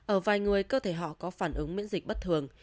ở vài người cơ thể họ có phản ứng miễn dịch bất thường